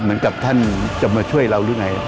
เหมือนกับท่านจะมาช่วยเราหรือไง